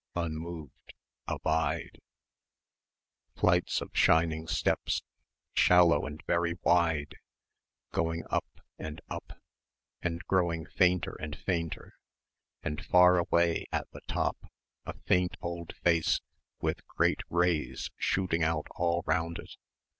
Unmoved Abide ...... Flights of shining steps, shallow and very wide going up and up and growing fainter and fainter, and far away at the top a faint old face with great rays shooting out all round it